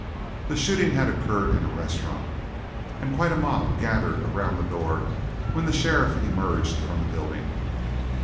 The shooting had occurred in a restaurant, and quite a mob gathered around the door, when the sheriff emerged from the building.